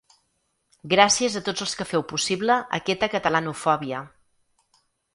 Gràcies a tots els que feu possible aquesta catalanofòbia.